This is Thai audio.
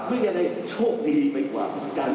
ไม่มีอะไรโชคดีไม่กว่าการมีสุขภาพดี